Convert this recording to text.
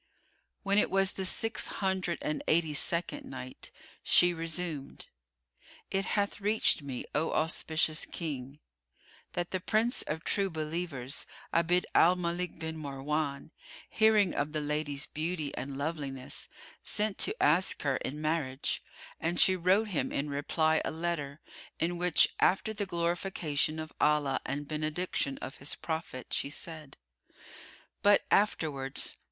When it was the Six Hundred and Eighty second Night, She resumed, It hath reached me, O auspicious King, that the Prince of True Believers, Abd al Malik bin Marwan, hearing of the lady's beauty and loveliness, sent to ask her in marriage; and she wrote him in reply a letter, in which, after the glorification of Allah and benediction of His Prophet, she said, "But afterwards.